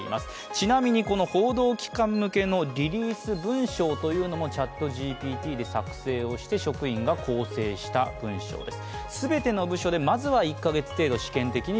ちなみに、この報道機関向けのリリース文章というのもＣｈａｔＧＰＴで作成をして、職員が校正した文章です。